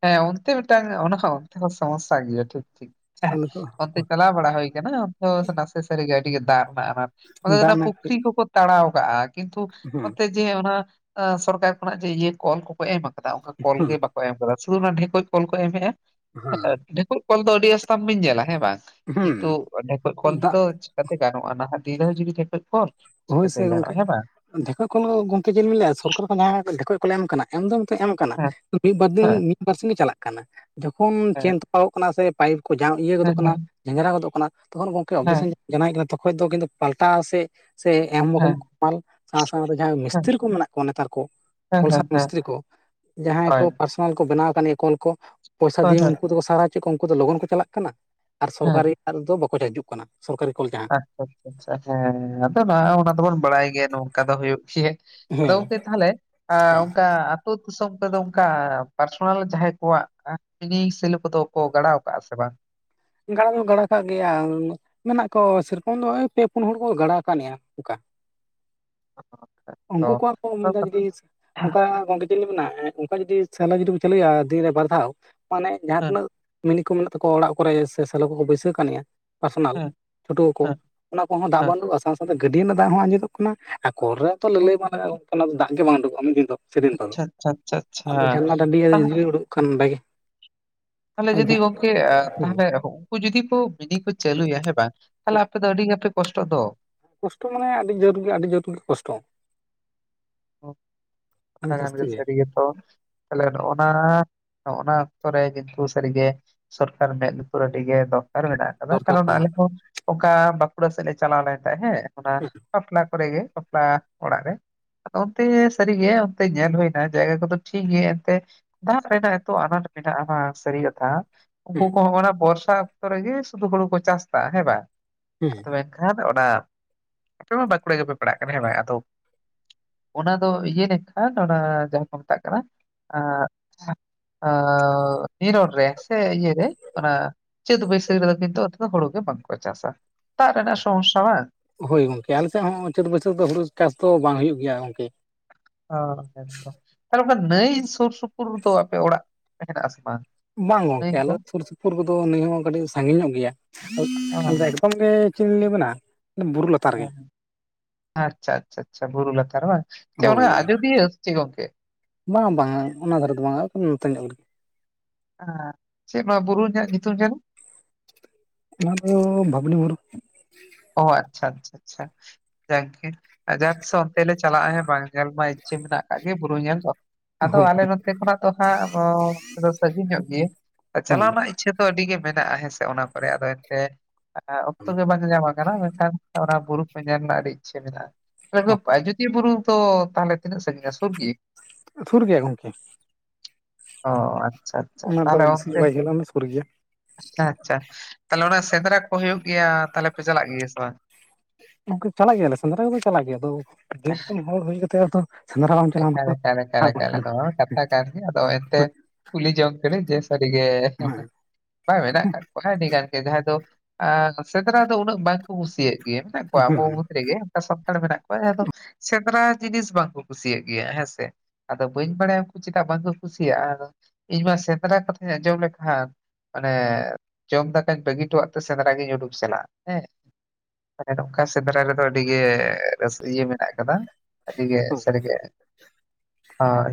[SPEAKER 1] ᱦᱮᱸ ᱚᱱᱛᱮ ᱢᱤᱫᱴᱟᱝ ᱚᱱᱟ ᱦᱚᱸ ᱚᱱᱛᱮ ᱫᱚ ᱥᱚᱢᱚᱥᱟ ᱜᱮᱭᱟ ᱴᱷᱤᱠ ᱴᱷᱤᱠ ᱮᱸᱦᱮ
[SPEAKER 2] ᱟᱞᱮ ᱫᱚ
[SPEAKER 1] ᱚᱱᱛᱮ ᱪᱟᱞᱟᱣ ᱵᱟᱲᱟ ᱦᱩᱭ ᱟᱠᱟᱱᱟ ᱚᱱᱛᱮ ᱱᱟᱥᱮ ᱥᱟᱨᱤ ᱜᱮ ᱟᱰᱤ ᱜᱮ ᱫᱟᱜ ᱨᱮᱱᱟᱜ ᱟᱱᱟᱴ ᱚᱱᱛᱮ ᱫᱚ
[SPEAKER 2] ᱫᱟᱜ
[SPEAKER 1] ᱚᱱᱟ
[SPEAKER 2] ᱨᱮᱱᱟᱜ
[SPEAKER 1] ᱯᱩᱠᱷᱨᱤ ᱠᱚᱠᱚ ᱛᱟᱲᱟᱣ ᱠᱟᱜᱼᱟ ᱠᱤᱱᱛᱩ
[SPEAKER 2] ᱦᱩᱸ
[SPEAKER 1] ᱚᱱᱛᱮ ᱡᱮ ᱚᱱᱟ ᱥᱚᱨᱠᱟᱨ ᱠᱷᱚᱱᱟᱜ ᱡᱮ ᱤᱭᱟᱹ ᱠᱚᱞ ᱠᱚᱠᱚ ᱮᱢ ᱟᱠᱟᱫᱟ ᱚᱱᱠᱟ ᱠᱚᱞ
[SPEAKER 2] ᱦᱩᱸ
[SPEAKER 1] ᱜᱮ ᱵᱟᱠᱚ [unintelligible] ᱚᱱᱟ ᱰᱷᱮᱠᱚᱡ ᱠᱚᱞ ᱠᱚ ᱮᱢᱮᱜᱼᱟ
[SPEAKER 2] ᱦᱩᱸ
[SPEAKER 1] ᱰᱷᱮᱠᱚᱡ ᱠᱚᱞ ᱫᱚ ᱟᱹᱰᱤ ᱟᱥᱛᱟᱢ ᱵᱤᱱ ᱧᱮᱞᱟ ᱦᱮᱸ ᱵᱟᱝ
[SPEAKER 2] ᱦᱩᱸ
[SPEAKER 1] ᱠᱤᱱᱛᱩ ᱰᱷᱮᱠᱚᱡ ᱠᱚᱞ
[SPEAKER 2] ᱫᱟᱜ
[SPEAKER 1] ᱛᱮᱫᱚ ᱪᱤᱠᱟ ᱛᱮ ᱜᱟᱱᱚᱜᱼᱟ ᱱᱟᱦᱟᱜ ᱫᱤᱱ ᱨᱮᱦᱚᱸ ᱡᱩᱫᱤ ᱰᱷᱮᱸᱠᱚᱡ ᱠᱚᱞ
[SPEAKER 2] ᱦᱳᱭ
[SPEAKER 1] ᱪᱤᱠᱟᱹᱛᱮ
[SPEAKER 2] ᱥᱮ
[SPEAKER 1] ᱜᱟᱱᱚᱜᱼᱟ
[SPEAKER 2] ᱜᱚᱝᱠᱮ
[SPEAKER 1] ᱦᱮᱸ ᱵᱟᱝ
[SPEAKER 2] ᱰᱷᱮᱠᱚᱡ ᱠᱚᱞ ᱜᱚᱢᱠᱮ ᱡᱮ ᱞᱤᱧ ᱞᱟᱹᱭᱤᱜᱼᱟ ᱥᱚᱨᱠᱟᱨ ᱠᱷᱚᱱ ᱡᱟᱦᱟᱸ ᱰᱷᱮᱠᱚᱡ [unintelligible] ᱠᱚᱞᱮ ᱮᱢ ᱠᱟᱱᱟ ᱮᱢ ᱫᱚ ᱮᱱᱛᱮ ᱮᱢ ᱠᱟᱱᱟ
[SPEAKER 1] ᱦᱮᱸ
[SPEAKER 2] ᱢᱤᱫ ᱵᱟᱨ ᱫᱤᱱ
[SPEAKER 1] ᱦᱮᱸ
[SPEAKER 2] ᱢᱤᱫ ᱵᱟᱨ ᱥᱤᱧ ᱫᱚ ᱪᱟᱞᱟᱜ ᱠᱟᱱᱟ ᱡᱚᱠᱷᱚᱱ ᱪᱮᱱ ᱛᱚᱯᱟᱜᱚᱜ ᱛᱟᱯᱟᱜᱚᱜ ᱠᱟᱱᱟ ᱥᱮ ᱯᱟᱭᱤᱯ ᱠᱚ ᱡᱟᱢ ᱤᱭᱟᱹ
[SPEAKER 1] ᱦᱮᱸ
[SPEAKER 2] ᱜᱚᱫᱚᱜ ᱠᱟᱱᱟ
[SPEAKER 1] ᱦᱮᱸ
[SPEAKER 2] ᱡᱷᱮᱸᱡᱨᱟ ᱜᱚᱫᱚᱜ ᱠᱟᱱᱟ ᱛᱚᱠᱷᱚᱱ ᱜᱚᱝᱠᱮ
[SPEAKER 1] ᱦᱮᱸ
[SPEAKER 2] ᱚᱵᱽᱡᱮᱠᱥᱚᱱ [unintelligible] ᱠᱟᱱᱟ ᱛᱚᱠᱷᱚᱡ ᱫᱚ ᱠᱤᱱᱛᱩ ᱯᱟᱞᱴᱟᱣᱼᱟ ᱥᱮ ᱥᱮ ᱮᱢ ᱨᱚᱠᱚᱢ
[SPEAKER 1] ᱦᱮᱸ
[SPEAKER 2] ᱯᱟᱞ ᱥᱟᱶ ᱥᱟᱶ ᱨᱮ ᱡᱟᱦᱟᱸᱭ
[SPEAKER 1] ᱦᱮᱸ
[SPEAKER 2] ᱢᱤᱥᱛᱨᱤ ᱠᱚ ᱢᱮᱱᱟᱜ ᱠᱚᱣᱟ ᱱᱮᱛᱟᱨ ᱠᱚ
[SPEAKER 1] ᱦᱮᱸ
[SPEAKER 2] ᱠᱚᱞ
[SPEAKER 1] ᱦᱮᱸ
[SPEAKER 2] ᱥᱟᱯ
[SPEAKER 1] ᱦᱮᱸ
[SPEAKER 2] ᱢᱤᱥᱛᱨᱤ ᱠᱚ ᱡᱟᱦᱟᱸᱭ
[SPEAKER 1] ᱦᱳᱭ
[SPEAKER 2] ᱠᱚ [unintelligible] ᱠᱚᱞ ᱠᱚ ᱵᱮᱱᱟᱣ ᱟᱠᱟᱫ ᱞᱮᱭᱟ ᱠᱚᱞ ᱠᱚ ᱯᱚᱭᱥᱟ
[SPEAKER 1] ᱦᱳᱭ ᱦᱳᱭ
[SPEAKER 2] ᱫᱤᱭᱟᱹ ᱩᱱᱠᱩ ᱫᱚᱠᱚ ᱥᱟᱨᱦᱟᱣ ᱦᱚᱪᱚᱭᱮᱫ ᱠᱚᱣᱟ ᱩᱱᱠᱩ ᱫᱚ ᱞᱚᱜᱚᱱ ᱠᱚ ᱪᱟᱞᱟᱜ ᱠᱟᱱᱟ ᱟᱨ
[SPEAKER 1] ᱦᱮᱸ
[SPEAKER 2] ᱥᱚᱨᱠᱟᱨᱤᱭᱟᱜ ᱨᱮ ᱫᱚ ᱵᱟᱠᱚ ᱦᱤᱡᱩᱜ ᱠᱟᱱᱟ ᱥᱚᱨᱠᱟᱨᱤ ᱠᱚᱞ ᱡᱟᱦᱟᱸ
[SPEAKER 1] ᱟᱪᱪᱷᱟ ᱟᱪᱪᱷᱟ ᱦᱮᱸ ᱟᱫᱚ ᱱᱚᱣᱟ ᱚᱱᱟ ᱫᱚᱵᱚᱱ ᱵᱟᱲᱟᱭ ᱜᱮᱭᱟ ᱱᱚᱝᱠᱟ ᱫᱚ ᱦᱩᱭᱩᱜ ᱜᱮᱭᱟ ᱟᱫᱚ
[SPEAKER 2] ᱦᱮᱸ
[SPEAKER 1] ᱜᱚᱝᱠᱮ ᱛᱟᱦᱚᱞᱮ ᱚᱱᱠᱟ ᱟᱹᱛᱩ ᱫᱤᱥᱚᱢ ᱠᱚᱫᱚ ᱚᱱᱠᱟ ᱯᱟᱨᱥᱚᱱᱟᱞ ᱡᱟᱦᱟᱸᱭ ᱠᱚᱣᱟᱜ ᱢᱤᱱᱤ ᱥᱮᱞᱳ ᱠᱚᱫᱚ ᱠᱚ ᱜᱟᱰᱟᱣ ᱟᱠᱟᱫᱼᱟ ᱥᱮ ᱵᱟᱝ
[SPEAKER 2] ᱜᱟᱲᱟ ᱫᱚ ᱜᱟᱲᱟ ᱠᱟᱜ ᱜᱮᱭᱟ ᱢᱮᱱᱟᱜ ᱠᱚᱣᱟ ᱥᱮᱨᱚᱠᱚᱢ ᱱᱚᱜ ᱚᱭ ᱯᱮ ᱯᱩᱱ ᱦᱚᱲ ᱠᱚ ᱜᱟᱲᱟ ᱠᱟᱹᱣᱱᱤᱜᱼᱟ ᱳᱠᱟ
[SPEAKER 1] [inaudible] ᱛᱚ
[SPEAKER 2] ᱩᱱᱠᱩ ᱠᱚᱣᱟᱜ ᱠᱚ ᱮᱢᱫᱟ ᱡᱩᱫᱤ ᱚᱱᱠᱟ ᱜᱚᱝᱠᱮ ᱥᱮᱫᱞᱤᱧ ᱢᱮᱱᱟ ᱚᱱᱠᱟ ᱡᱩᱫᱤ ᱥᱮᱞᱳ ᱡᱩᱫᱤ ᱵᱚ ᱪᱟᱹᱞᱩ ᱭᱟ ᱫᱤᱱ ᱨᱮ ᱵᱟᱨ ᱫᱷᱟᱣ ᱢᱟᱱᱮ ᱡᱟᱦᱟᱸ
[SPEAKER 1] ᱦᱮᱸ
[SPEAKER 2] ᱛᱤᱱᱟᱹᱜ ᱢᱤᱱᱤ ᱠᱚ ᱢᱮᱱᱟᱜ ᱛᱟᱠᱚᱣᱟ ᱚᱲᱟᱜ ᱠᱚᱨᱮ ᱥᱮ ᱥᱮᱞᱚ ᱠᱚᱠᱚ ᱵᱟᱹᱭᱥᱟᱹᱣ ᱠᱟᱹᱣᱱᱤᱜᱼᱟ ᱯᱟᱨᱥᱚᱱᱟᱞ
[SPEAKER 1] ᱦᱮᱸ
[SPEAKER 2] ᱯᱟᱹᱴᱣᱟᱹ ᱠᱚ
[SPEAKER 1] ᱦᱮᱸ
[SPEAKER 2] ᱚᱱᱟ ᱠᱚᱦᱚᱸ ᱫᱟᱜ
[SPEAKER 1] ᱦᱮᱸ
[SPEAKER 2] ᱵᱟᱹᱱᱩᱜᱼᱟ ᱥᱟᱶ ᱥᱟᱶᱛᱮ ᱜᱟᱹᱰᱤᱭᱟᱹ ᱨᱮᱱᱟᱜ ᱫᱟᱜ ᱦᱚᱸ ᱟᱸᱡᱮᱫᱚᱜ ᱠᱟᱱᱟ ᱟᱨ ᱠᱚᱞ ᱨᱮ ᱛᱚ
[SPEAKER 1] ᱚ
[SPEAKER 2] ᱞᱟᱹᱞᱟᱹᱭ ᱵᱟᱝ ᱦᱚᱭᱩᱜᱼᱟ ᱜᱚᱝᱠᱮ ᱚᱱᱟ ᱫᱚ ᱫᱟᱜ ᱜᱮ ᱵᱟᱝ ᱩᱰᱩᱠᱚᱜᱼᱟ ᱢᱤᱫ ᱫᱤᱱ ᱫᱚ ᱥᱮᱫᱤᱱ ᱫᱚ
[SPEAKER 1] ᱟᱪᱪᱷᱟ ᱟᱪᱪᱷᱟ ᱟᱪᱪᱷᱟ ᱟᱪᱪᱷᱟ
[SPEAKER 2] ᱟᱫᱚ ᱡᱷᱟᱨᱱᱟ ᱴᱟᱺᱰᱤ [unintelligible] ᱩᱰᱩᱜᱚᱜ ᱠᱷᱟᱱ ᱵᱷᱟᱹᱜᱤ
[SPEAKER 1] ᱛᱟᱦᱚᱞᱮ ᱡᱩᱫᱤ ᱜᱚᱝᱠᱮ ᱛᱟᱦᱚᱞᱮ ᱩᱱᱠᱩ ᱡᱩᱫᱤ ᱠᱚ ᱢᱤᱱᱤ ᱤ ᱠᱚ ᱪᱟᱹᱞᱩᱭᱟ ᱦᱮᱸ ᱵᱟᱝ ᱛᱟᱦᱚᱞᱮ ᱟᱯᱮ ᱫᱚ ᱟᱹᱰᱤ ᱜᱮᱯᱮ ᱠᱚᱥᱴᱚᱜ ᱫᱚ
[SPEAKER 2] ᱠᱚᱥᱴᱚ ᱢᱟᱱᱮ ᱟᱹᱰᱤ ᱡᱳᱨ ᱜᱮ ᱟᱹᱰᱤ ᱡᱳᱨ ᱜᱮ ᱠᱚᱥᱴᱚᱼᱟ
[SPEAKER 1] ᱠᱟᱛᱷᱟ
[SPEAKER 2] ᱟᱹᱰᱤ
[SPEAKER 1] ᱠᱟᱱ
[SPEAKER 2] ᱡᱟᱹᱥᱛᱤ
[SPEAKER 1] ᱜᱮᱭᱟ ᱥᱟᱹᱨᱤ ᱜᱮ ᱛᱚ ᱛᱟᱦᱚᱞᱮ ᱱᱚᱜ ᱚᱱᱟ ᱱᱚᱜᱱᱟ ᱚᱠᱛᱚ ᱨᱮ ᱠᱤᱱᱛᱩ ᱥᱟᱹᱨᱤ ᱜᱮ ᱥᱚᱨᱠᱟᱨ ᱢᱮᱫ ᱞᱩᱛᱩᱨ ᱟᱹᱰᱤ ᱜᱮ ᱫᱚᱨᱠᱟᱨ ᱢᱮᱱᱟᱜ-ᱟ
[SPEAKER 2] ᱫᱚᱨᱠᱟᱨ
[SPEAKER 1] ᱠᱟᱨᱚᱱ
[SPEAKER 2] ᱠᱟᱱᱟ
[SPEAKER 1] ᱟᱞᱮ ᱦᱚ ᱚᱱᱠᱟ ᱵᱟᱸᱠᱩᱲᱟ ᱥᱮᱫ ᱞᱮ ᱪᱟᱞᱟᱣ ᱞᱮᱱ ᱛᱟᱦᱮ ᱦᱮ ᱚᱱᱟ ᱵᱟᱯᱞᱟ ᱠᱚᱨᱮ ᱜᱮ ᱵᱟᱯᱞᱟ ᱚᱲᱟᱜ ᱨᱮ ᱟᱫᱚ ᱚᱱᱛᱮ ᱥᱟᱹᱨᱤᱜᱮ ᱚᱱᱛᱮ ᱧᱮᱞ ᱦᱩᱭᱱᱟ ᱡᱟᱭᱜᱟ ᱠᱚᱫᱚ ᱴᱷᱤᱠ ᱜᱮᱭᱟ ᱮᱱᱛᱮ ᱫᱟᱜ ᱨᱮᱱᱟᱜ ᱮᱛᱚ ᱟᱱᱟᱴ ᱢᱮᱱᱟᱜᱼᱟ ᱦᱟᱸᱜ ᱥᱟᱹᱨᱤ ᱠᱟᱛᱷᱟ ᱩᱱᱠᱩ
[SPEAKER 2] ᱦᱩᱸ
[SPEAKER 1] ᱠᱚ ᱦᱚᱲ ᱚᱱᱟ ᱵᱚᱨᱥᱟ ᱚᱠᱛᱚ ᱨᱮᱜᱮ ᱥᱩᱫᱷᱩ ᱦᱩᱲᱩ ᱠᱚ ᱪᱟᱥ ᱫᱟ ᱦᱮᱸ ᱵᱟᱝ
[SPEAKER 2] ᱦᱩᱸ
[SPEAKER 1] ᱟᱨ ᱛᱚᱵᱮ ᱠᱷᱟᱱ ᱚᱱᱟ ᱟᱯᱮ ᱢᱟ ᱵᱟᱸᱠᱩᱲᱟ ᱜᱮᱯᱮ ᱯᱟᱲᱦᱟᱜ ᱠᱟᱱᱟ ᱟᱫᱚ ᱚᱱᱟ ᱫᱚ ᱤᱭᱟᱹ ᱱᱮᱠᱷᱟᱱ ᱚᱱᱟ ᱡᱟᱦᱟᱸ ᱠᱚ ᱢᱮᱛᱟᱜ ᱠᱟᱱᱟ ᱱᱤᱨᱚᱲ ᱨᱮ ᱥᱮ ᱤᱭᱟᱹ ᱨᱮ ᱚᱱᱟ ᱪᱟᱹᱛ ᱵᱟᱹᱭᱥᱟᱹᱠᱷ ᱨᱮᱫᱚ ᱠᱤᱱᱛᱩ ᱫᱚ ᱦᱩᱲᱩ ᱜᱮ ᱵᱟᱝᱠᱚ ᱪᱟᱥᱟ ᱫᱟᱜ ᱨᱮᱱᱟᱜ ᱥᱚᱢᱚᱥᱥᱟ ᱵᱟᱝ
[SPEAKER 2] ᱦᱳᱭ ᱜᱚᱝᱠᱮ ᱟᱞᱮᱥᱮᱫ ᱦᱚᱸ ᱪᱟᱹᱛ ᱵᱟᱹᱭᱥᱟᱹᱠᱷ ᱫᱚ ᱦᱩᱲᱩ ᱪᱟᱥ ᱫᱚ ᱵᱟᱝ ᱦᱩᱭᱩᱜ ᱜᱮᱭᱟ ᱜᱚᱝᱠᱮ
[SPEAKER 1] ᱚ ᱮᱠᱫᱚᱢ ᱛᱟᱦᱞᱮ ᱚᱱᱟ ᱱᱟᱹᱭ ᱥᱩᱨ ᱥᱩᱯᱩᱨ ᱫᱚ ᱟᱯᱮ ᱚᱲᱟᱜ ᱦᱮᱱᱟᱜ ᱟᱥᱮ ᱵᱟᱝ
[SPEAKER 2] ᱵᱟᱝ
[SPEAKER 1] ᱱᱟᱹᱭ
[SPEAKER 2] ᱜᱚᱝᱠᱮ
[SPEAKER 1] ᱠᱚ
[SPEAKER 2] ᱟᱞᱮ ᱥᱩᱨ ᱥᱩᱯᱩᱨ ᱠᱚᱫᱚ ᱱᱟᱹᱭ ᱦᱚᱸ ᱠᱟᱹᱴᱤᱡ ᱥᱟᱺᱜᱤᱧ ᱧᱚᱜ ᱜᱮᱭᱟ
[SPEAKER 1] ᱚ
[SPEAKER 2] [unintelligible] ᱜᱚᱝᱠᱮ ᱪᱮᱫ ᱞᱤᱧ ᱞᱟᱹᱭ ᱟᱵᱤᱱᱟ ᱵᱩᱨᱩ [inaudible]
[SPEAKER 1] ᱚ ᱟᱪᱪᱷᱟ ᱟᱪᱪᱷᱟ ᱟᱪᱪᱷᱟ ᱵᱩᱨᱩ ᱞᱟᱛᱟᱨ ᱵᱟᱝ ᱥᱮ ᱚᱱᱟ
[SPEAKER 2] ᱦᱳᱭ
[SPEAKER 1] ᱟᱡᱚᱫᱤᱭᱟᱹ ᱥᱮ ᱪᱮᱫ ᱜᱚᱝᱠᱮ
[SPEAKER 2] ᱵᱟᱝ ᱵᱟᱝᱟ ᱚᱱᱟ ᱫᱷᱟᱨᱮ ᱫᱚ ᱵᱟᱝᱟ ᱱᱚᱛᱮ ᱧᱚᱜ ᱨᱮᱜ
[SPEAKER 1] ᱟ ᱪᱮᱫ ᱱᱚᱣᱟ ᱵᱩᱨᱩᱧᱟᱜ ᱧᱩᱛᱩᱢ ᱡᱮᱱᱚ
[SPEAKER 2] ᱚᱱᱟ ᱫᱚ ᱵᱷᱟᱵᱽᱱᱤ ᱵᱩᱨᱩ
[SPEAKER 1] ᱚ ᱟᱪᱪᱷᱟ ᱟᱪᱪᱷᱟ ᱟᱪᱪᱷᱟ ᱡᱟᱠᱜᱮ ᱟ ᱡᱟᱦᱟ ᱛᱤᱥᱚᱜ ᱚᱱᱛᱮ ᱞᱮ ᱪᱟᱞᱟᱜ-ᱟ ᱦᱮ ᱵᱟᱝ ᱧᱮᱞ ᱢᱟ [unintelligible] ᱜᱮ ᱵᱩᱨᱩ ᱧᱮᱞ ᱪᱚ ᱟᱫᱚ
[SPEAKER 2] ᱦᱳᱭ
[SPEAKER 1] ᱟᱞᱮ
[SPEAKER 2] ᱦᱳᱭ
[SPEAKER 1] ᱱᱚᱛᱮ ᱠᱷᱚᱱᱟᱜ ᱫᱚ ᱦᱟᱜ ᱥᱟᱹᱜᱤᱧ ᱧᱚᱜ ᱜᱮᱭᱟ ᱪᱟᱞᱟᱣ
[SPEAKER 2] ᱦᱩᱸ
[SPEAKER 1] ᱨᱮᱱᱟᱜ ᱤᱪᱪᱷᱟ ᱤᱪᱪᱷᱟᱹ ᱫᱚ ᱟᱹᱰᱤ ᱜᱮ ᱢᱮᱱᱟᱜ-ᱟ ᱦᱮᱸᱥᱮ ᱚᱱᱟ ᱠᱚᱨᱮ ᱟᱫᱚ ᱮᱱᱛᱮ ᱚᱠᱛᱚ ᱜᱮ ᱵᱟᱝ ᱧᱟᱢᱟ [unintelligible] ᱢᱮᱱᱠᱷᱟᱱ ᱚᱱᱟ ᱵᱩᱨᱩ ᱠᱚ ᱧᱮᱞ ᱨᱮᱱᱟᱜ ᱟᱹᱰᱤ ᱤᱪᱪᱷᱟᱹ ᱢᱮᱱᱟᱜ-ᱟ ᱟᱡᱚᱫᱤᱭᱟᱹ ᱵᱩᱨᱩ ᱛᱚ ᱛᱟᱦᱚᱞᱮ ᱛᱤᱱᱟᱹᱜ ᱥᱟᱺᱜᱤᱧᱟ ᱥᱚᱨ ᱜᱤ
[SPEAKER 2] ᱥᱩᱨ ᱜᱮᱭᱟ ᱜᱚᱝᱠᱮ
[SPEAKER 1] ᱚ ᱟᱪᱪᱷᱟ ᱟᱪᱪᱷᱟ
[SPEAKER 2] ᱚᱱᱟ ᱫᱚ
[SPEAKER 1] ᱛᱟᱦᱮ ᱚᱱᱛᱮ
[SPEAKER 2] [unintelligible] ᱚᱱᱟ ᱥᱩᱨ ᱜᱮᱭᱟ
[SPEAKER 1] ᱟᱪᱪᱷᱟ ᱟᱪᱪᱷᱟ ᱛᱟᱦᱞᱮ ᱚᱱᱟ ᱥᱮᱸᱫᱽᱨᱟ ᱠᱚ ᱦᱩᱭᱩᱜ ᱜᱮᱭᱟ ᱛᱟᱦᱚᱞᱮ ᱯᱮ ᱪᱟᱞᱟᱜ ᱜᱮᱭᱟ ᱥᱮ ᱵᱟᱝ
[SPEAKER 2] ᱜᱚᱝᱠᱮ ᱪᱟᱞᱟᱜ ᱜᱮᱭᱟᱞᱮ ᱥᱮᱸᱫᱽᱨᱟ ᱠᱚᱫᱚ ᱪᱟᱞᱟᱜ ᱜᱮᱭᱟ ᱟᱫᱚ ᱵᱤᱨ ᱫᱤᱥᱚᱢ ᱦᱚᱲ ᱦᱩᱭ ᱠᱟᱛᱮ ᱟᱫᱚ ᱥᱮᱸᱫᱽᱨᱟ ᱵᱟᱢ ᱪᱟᱞᱟᱣ
[SPEAKER 1] ᱮᱠᱟᱞ
[SPEAKER 2] ᱢᱟᱛᱚ
[SPEAKER 1] ᱮᱠᱟᱞ ᱮᱠᱟᱞ
[SPEAKER 2] ᱵᱟᱝ
[SPEAKER 1] ᱮᱠᱟᱞ
[SPEAKER 2] ᱠᱟᱱᱟ
[SPEAKER 1] ᱱᱚᱣᱟ ᱢᱟ ᱠᱟᱛᱷᱟ ᱠᱟᱱ ᱜᱮ ᱟᱫᱚ ᱮᱱᱛᱮ
[SPEAKER 2] ᱦᱳᱭ
[SPEAKER 1] ᱠᱩᱞᱤ ᱡᱚᱝ ᱠᱟᱸᱱᱤᱧ ᱡᱮ ᱥᱟᱹᱨᱤᱜᱮ
[SPEAKER 2] ᱦᱳᱭ
[SPEAKER 1] ᱵᱟᱝ ᱢᱮᱱᱟᱜ ᱟᱠᱟᱜ ᱟᱹᱰᱤ ᱜᱟᱱ ᱜᱮ ᱡᱟᱦᱟᱸᱭ ᱫᱚ ᱥᱮᱸᱫᱽᱨᱟ ᱫᱚ ᱩᱱᱟᱹᱜ ᱵᱟᱝᱠᱚ ᱠᱩᱥᱤᱭᱟᱜ ᱜᱮ ᱢᱮᱱᱟᱜ ᱠᱚᱣᱟ ᱟᱵᱚ ᱢᱩᱫᱽ ᱨᱮᱜᱮ ᱥᱟᱱᱛᱟᱲ ᱢᱮᱱᱟᱜ ᱠᱚᱣᱟ ᱡᱟᱦᱟᱸ ᱫᱚ ᱥᱮᱸᱫᱽᱨᱟ ᱡᱤᱱᱤᱥ ᱵᱟᱝ ᱠᱚ ᱠᱩᱥᱤᱭᱟᱜ ᱜᱮᱭᱟ ᱦᱮᱸ ᱥᱮ ᱟᱫᱚ ᱵᱟᱹᱧ ᱵᱟᱲᱟᱭᱟ ᱩᱱᱠᱩ ᱪᱮᱫᱟᱜ ᱵᱟᱝᱠᱚ ᱠᱩᱥᱤᱭᱟᱜ-ᱟ ᱟᱫᱚ ᱤᱧᱢᱟ ᱥᱮᱸᱫᱽᱨᱟ ᱠᱟᱛᱷᱟᱧ ᱟᱸᱡᱚᱢ ᱞᱮᱠᱷᱟᱱ ᱢᱟᱱᱮ ᱡᱚᱢ ᱫᱟᱠᱟᱧ ᱵᱟᱹᱜᱤ ᱦᱚᱴᱚᱣᱟᱜ ᱛᱮ ᱥᱮᱸᱫᱽᱨᱟ ᱜᱤᱧ ᱩᱰᱩᱠ ᱪᱟᱞᱟᱜ-ᱟ ᱦᱮᱸ ᱦᱮᱸ ᱱᱚᱝᱠᱟ ᱥᱮᱸᱫᱽᱨᱟ ᱨᱮᱫᱚ ᱟᱹᱰᱤ ᱜᱮ ᱨᱟᱹᱥᱠᱟᱹ ᱤᱭᱟᱹ ᱢᱮᱱᱟᱜ ᱟᱠᱟᱫᱟ ᱟᱹᱰᱤ ᱜᱮ
[SPEAKER 2] ᱦᱳᱭ
[SPEAKER 1] ᱥᱟᱹᱨᱤᱜᱮ ᱦᱳᱭ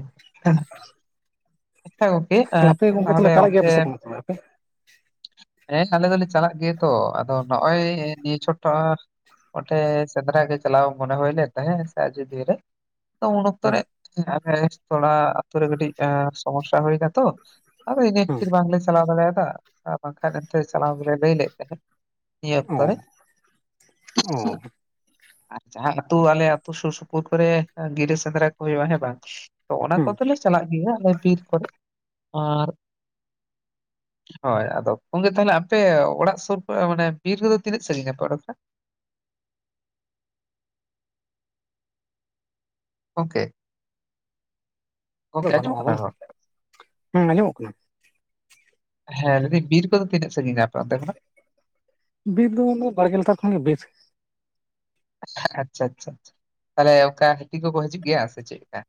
[SPEAKER 1] ᱟᱪᱪᱷᱟ ᱟᱸ,
[SPEAKER 2] [unintelligible] ᱜᱚᱝᱠᱮ ᱛᱟᱦᱚᱞᱮ ᱪᱟᱞᱟᱜ
[SPEAKER 1] ᱚᱱᱛᱮ
[SPEAKER 2] ᱜᱮᱭᱟ ᱯᱟᱥᱮ ᱵᱟᱝ ᱛᱚᱵᱮ ᱟᱯᱮ
[SPEAKER 1] ᱮᱱ ᱟᱞᱮ ᱫᱚᱞᱮ ᱪᱟᱞᱟᱜ ᱜᱮᱭᱟ ᱛᱚ ᱟᱫᱚ ᱱᱚᱜ-ᱚᱭ ᱱᱤᱭᱟᱹ ᱪᱷᱚᱴ ᱚᱸᱰᱮ ᱥᱮᱸᱫᱽᱨᱟ ᱜᱮ ᱪᱟᱞᱟ ᱢᱚᱱᱮ ᱦᱩᱭ ᱞᱮᱱ ᱛᱟᱦᱮᱸ ᱦᱮᱸᱥᱮ ᱟᱡᱚᱫᱤᱭᱟᱹ ᱨᱮ ᱩᱱ ᱚᱠᱛᱚ
[SPEAKER 2] ᱦᱮᱸ
[SPEAKER 1] [unintelligible] ᱛᱷᱚᱲᱟ ᱟᱛᱳ ᱨᱮ ᱠᱟᱹᱴᱤᱡ ᱥᱚᱢᱚᱥᱥᱟ ᱦᱩᱭᱱᱟᱛᱚ ᱟᱫᱚ ᱤᱱᱟᱹ
[SPEAKER 2] ᱦᱩᱸ
[SPEAKER 1] ᱠᱷᱟᱹᱛᱤᱨ ᱵᱟᱝᱞᱮ ᱪᱟᱞᱟᱣ ᱫᱟᱲᱮᱭᱟᱫᱟ ᱟᱨ ᱵᱟᱝᱠᱷᱟᱱ ᱮᱱᱛᱮ ᱪᱟᱞᱟᱣ ᱜᱮᱞᱮ ᱞᱟᱹᱭ ᱞᱮᱫ ᱛᱟᱦᱮᱸᱫ ᱱᱤᱭᱟᱹ
[SPEAKER 2] ᱚ
[SPEAKER 1] ᱚᱠᱛᱚ ᱨᱮ
[SPEAKER 2] ᱚ
[SPEAKER 1] ᱟᱨ ᱡᱟᱦᱟᱸ ᱟᱹᱛᱩ ᱟᱞᱮ ᱟᱹᱛᱩ ᱥᱩᱨ ᱥᱩᱯᱩᱨ ᱠᱚᱨᱮ ᱵᱤᱨ ᱥᱮᱸᱫᱽᱨᱟ ᱠᱚ ᱦᱩᱭᱩᱜ ᱦᱮ ᱵᱟᱝ ᱛᱚ ᱚᱱᱟ
[SPEAKER 2] ᱦᱩᱸ
[SPEAKER 1] ᱠᱚᱫᱚᱞᱮ ᱪᱟᱞᱟᱜ ᱜᱮᱭᱟ ᱟᱞᱮ ᱵᱤᱨ ᱠᱚᱨᱮ ᱟᱨ ᱦᱳᱭ ᱟᱫᱚ ᱜᱚᱝᱠᱮ ᱛᱟᱦᱚᱞᱮ ᱟᱯᱮ ᱚᱲᱟᱜ ᱥᱩᱨ ᱠᱚ ᱢᱟᱱᱮ ᱵᱤᱨ ᱨᱮᱫᱚ ᱛᱤᱱᱟᱹᱜ ᱥᱟᱺᱤᱧᱟ ᱟᱯᱮ ᱚᱸᱰᱮ ᱠᱷᱚᱱᱟᱜ ᱜᱚᱝᱠᱮ
[SPEAKER 2] ᱟᱫᱚ
[SPEAKER 1] ᱜᱚᱝᱠᱮ ᱟᱡᱚᱢᱚᱜ
[SPEAKER 2] ᱵᱟᱹᱱᱩᱜᱼᱟ ᱵᱟᱝ
[SPEAKER 1] ᱠᱟᱱᱟ
[SPEAKER 2] ᱦᱩᱸ ᱟᱸᱡᱚᱢᱚᱜ ᱠᱟᱱᱟ
[SPEAKER 1] ᱦᱮᱸ ᱞᱟᱹᱭ ᱫᱤᱧ ᱵᱤᱨ ᱠᱚᱫᱚ ᱛᱤᱱᱟᱹᱜ ᱥᱟᱺᱜᱤᱧᱟ ᱟᱯᱮ ᱚᱱᱛᱮ ᱠᱷᱚᱱᱟᱜ
[SPEAKER 2] ᱵᱤᱨ ᱫᱚ ᱩᱱᱟᱹᱜ ᱵᱟᱲᱜᱮ ᱞᱟᱛᱟᱨ ᱠᱷᱚᱱᱟᱜ ᱜᱮ ᱵᱤᱨ
[SPEAKER 1] ᱟᱪᱪᱷᱟ ᱟᱪᱪᱷᱟ ᱛᱟᱦᱚᱞᱮ ᱚᱱᱠᱟ ᱦᱟᱹᱛᱤ ᱠᱚᱠᱚ ᱦᱤᱡᱩᱜ ᱜᱮᱭᱟ ᱥᱮ ᱪᱮᱫᱠᱟ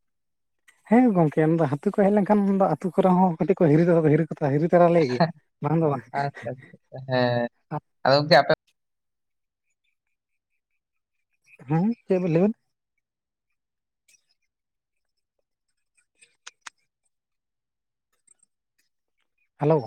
[SPEAKER 2] ᱦᱮᱸ ᱜᱚᱝᱠᱮ ᱦᱟᱹᱛᱤ ᱠᱚ ᱦᱮᱡ ᱞᱮᱱᱠᱷᱟᱱ ᱟᱹᱛᱩ ᱠᱚ ᱨᱮᱦᱚᱸ ᱠᱟᱹᱴᱤᱡ ᱠᱚ ᱦᱤᱨᱤ [unintelligible] ᱛᱚᱨᱟ ᱞᱮ ᱜᱮᱭᱟ ᱵᱟᱝ ᱫᱚ ᱵᱟᱝ
[SPEAKER 1] ᱟᱪᱪᱷᱟ
[SPEAKER 2] [unintelligible]
[SPEAKER 1] ᱟᱪᱪᱷᱟ ᱟᱪᱪᱷᱟ, ᱦᱮᱸ ᱟᱫᱚ [unintelligible]
[SPEAKER 2] ᱦᱩᱸ ᱪᱮᱫ ᱵᱤᱱ ᱞᱟᱹᱭᱮᱫ ᱦᱮᱞᱳ